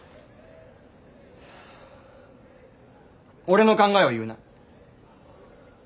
俺の考えを言うな。